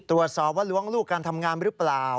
ตรวจสอบว่าล้วงลูกการทำงานหรือเปล่า